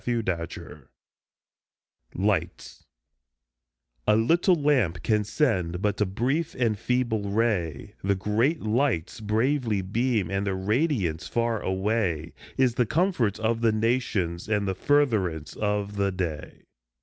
Il6 LIGHTS LIGHTS A LITTLE lamp can send but a brief and feeble ray, The great lights bravely beam, and their radiance far away Is the comfort of the nations and the furtherance of the day.